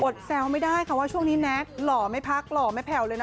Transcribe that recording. แซวไม่ได้ค่ะว่าช่วงนี้แน็กหล่อไม่พักหล่อไม่แผ่วเลยนะ